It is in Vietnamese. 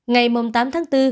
ngày tám tháng bốn